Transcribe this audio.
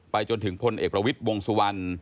จนถึงพลเอกประวิทย์วงสุวรรณ